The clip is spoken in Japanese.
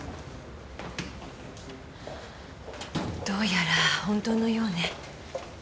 どうやら本当のようね。